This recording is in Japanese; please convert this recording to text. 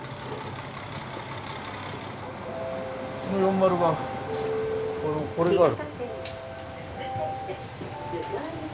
この４０はこのこれがある。